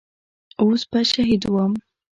اوس به شهيد وم.